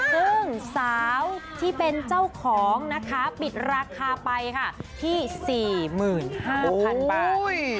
ซึ่งสาวที่เป็นเจ้าของนะคะปิดราคาไปค่ะที่๔๕๐๐๐บาท